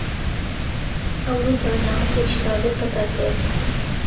ئەوروپا ناوەندێکی تازەی پەتاکەیە.